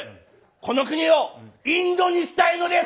この国をインドにしたいのです！」。